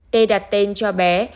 t đặt tên cho bé